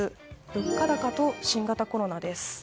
物価高と新型コロナです。